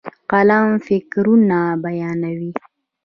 قلم فکرونه بیانوي.